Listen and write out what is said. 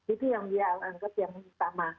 itu yang dia angkat yang utama